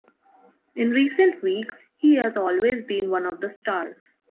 In recent weeks, he has always been one of the stars